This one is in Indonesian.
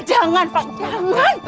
jangan pan jangan